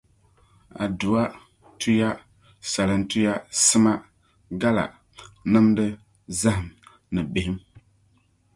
Adua, tuya, salaŋtuya, sima, gala, nimdi, zahim ni bihim.